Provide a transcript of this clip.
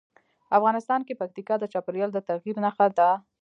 افغانستان کې پکتیکا د چاپېریال د تغیر نښه ده.